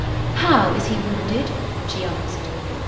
"How is he wounded?" she asked.